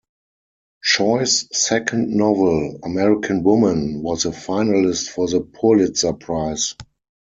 Choi's second novel, "American Woman", was a finalist for the Pulitzer Prize.